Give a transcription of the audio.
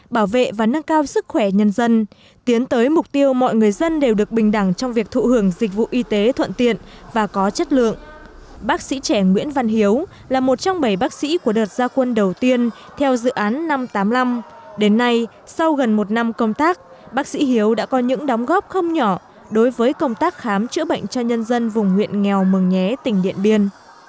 bác sĩ trẻ nguyễn văn hiếu là một trong bảy bác sĩ của đợt gia quân đầu tiên theo dự án năm trăm tám mươi năm đến nay sau gần một năm công tác bác sĩ hiếu đã có những đóng góp không nhỏ đối với công tác khám chữa bệnh cho nhân dân vùng huyện nghèo mừng nhé tỉnh điện biên